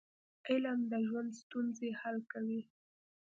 علم د ژوند ستونزې حل کوي.